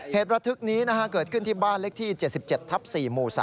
เหตุระทึกนี้เกิดขึ้นที่บ้านเล็กที่๗๗ทับ๔หมู่๓